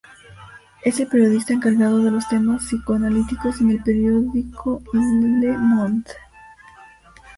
Es el periodista encargado de los temas psicoanalíticos en el periódico "Le Monde".